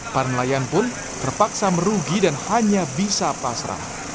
para nelayan pun terpaksa merugi dan hanya bisa pasrah